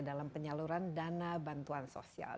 dalam penyaluran dana bantuan sosial